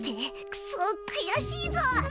くそくやしいぞ！